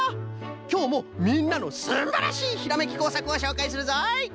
きょうもみんなのすんばらしいひらめきこうさくをしょうかいするぞい。